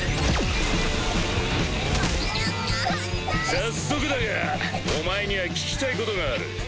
早速だがお前には聞きたいことがある。